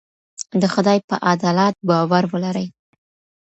د خدای په عدالت باور ولرئ.